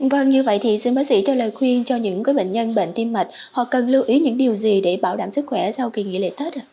vâng như vậy thì xin bác sĩ cho lời khuyên cho những bệnh nhân bệnh tim mạch họ cần lưu ý những điều gì để bảo đảm sức khỏe sau kỳ nghỉ lễ tết ạ